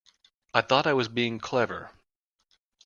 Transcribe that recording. I thought I was being clever.